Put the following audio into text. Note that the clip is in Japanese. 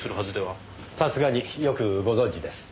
さすがによくご存じです。